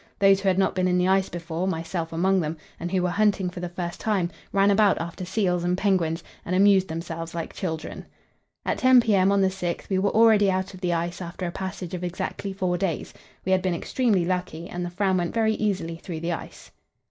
Those who had not been in the ice before, myself among them, and who were hunting for the first time, ran about after seals and penguins, and amused themselves like children. At 10 p.m. on the 6th we were already out of the ice after a passage of exactly four days; we had been extremely lucky, and the Fram went very easily through the ice.